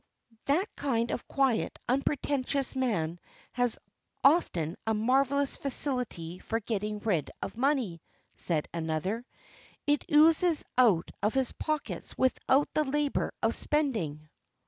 "That kind of quiet, unpretentious man has often a marvellous faculty for getting rid of money," said another; "it oozes out of his pockets without the labour of spending.